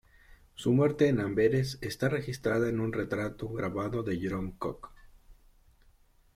Su muerte en Amberes está registrada en un retrato grabado de Jerome Cock.